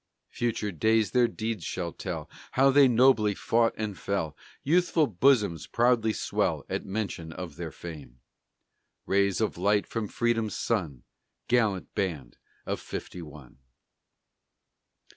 Future days their deeds shall tell, How they nobly fought and fell, Youthful bosoms proudly swell At mention of their fame Rays of light from Freedom's sun, Gallant band of Fifty one!